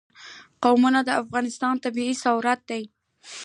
قومونه د افغانستان طبعي ثروت دی.